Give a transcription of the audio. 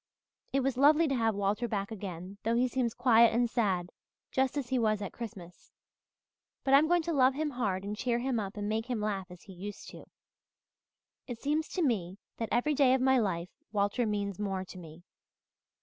"It's lovely to have Walter back again though he seems quiet and sad, just as he was at Christmas. But I'm going to love him hard and cheer him up and make him laugh as he used to. It seems to me that every day of my life Walter means more to me.